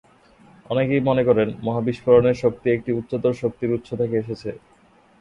অনেকেই মনে করেন, মহা বিস্ফোরণের শক্তি একটি উচ্চতর শক্তির উৎস থেকে এসেছে।